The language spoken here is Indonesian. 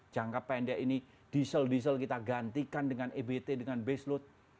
jangka pendek ini diesel diesel kita gantikan dengan ebt dengan baseload